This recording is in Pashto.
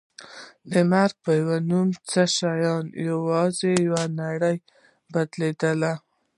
د مرګ په نوم څه نشته یوازې د یوې نړۍ بدلېدل دي.